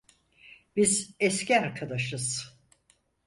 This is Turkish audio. Biz eski arkadaşız.